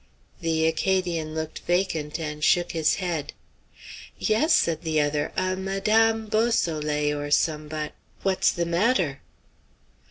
The Acadian looked vacant and shook his head. "Yes," said the other, "a Madame Beausoleil, or somebod What's the matter?"